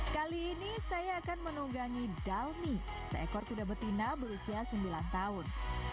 kali ini saya akan menunggangi dalmi seekor kuda betina berusia sembilan tahun